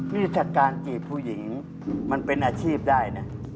ยุทธการจีบผู้หญิงมันเป็นอาชีพได้นะ